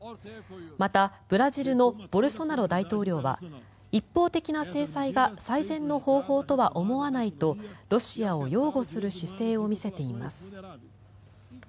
またブラジルのボルソナロ大統領は一方的な制裁が最善の方法とは思わないとロシアを擁護する姿勢を見せています。